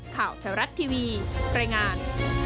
ข่าวไทยรัฐทีวีใกล้งาน